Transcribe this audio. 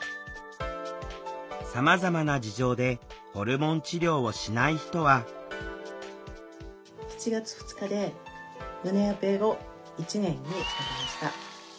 さまざまな事情でホルモン治療をしない人は７月２日で胸オペ後１年になりました。